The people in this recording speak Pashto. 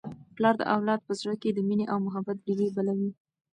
پلار د اولاد په زړه کي د مینې او محبت ډېوې بلوي.